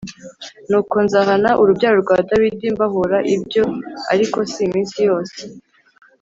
Nuko nzahana urubyaro rwa Dawidi mbahōra ibyo, ariko si iminsi yose’ ”